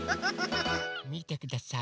みてください。